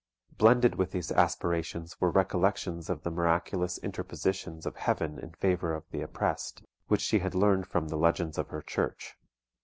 Blended with these aspirations were recollections of the miraculous interpositions of Heaven in favour of the oppressed, which she had learned from the legends of her Church.